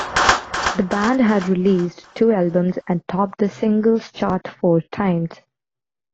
The band had released two albums and topped the singles chart four times.